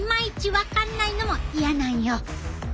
分かんないのも嫌なんよ。